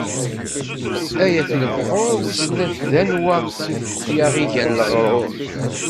Ay at lebḥur, wiss d anwa i aɣ-yeggan leɣṛuṛ.